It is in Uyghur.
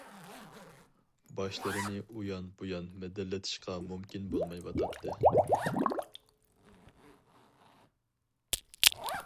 باشلىرىنى ئۇيان بۇيان مىدىرلىتىشقا مۇمكىن بولمايۋاتاتتى.